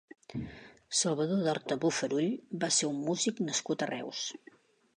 Salvador d'Horta Bofarull va ser un músic nascut a Reus.